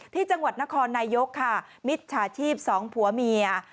ที่จังหวัดนครนายกค่ะมิจฉาชีพสองผัวเมีย